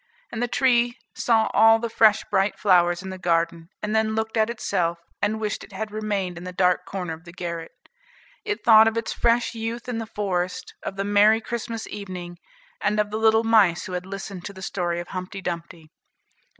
And the tree saw all the fresh bright flowers in the garden, and then looked at itself, and wished it had remained in the dark corner of the garret. It thought of its fresh youth in the forest, of the merry Christmas evening, and of the little mice who had listened to the story of "Humpty Dumpty."